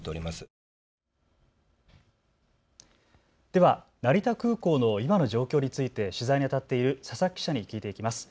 では成田空港の今の状況について取材にあたっている佐々記者に聞いていきます。